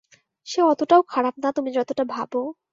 সে অতটাও খারাপ না তুমি যতটা ভাবো।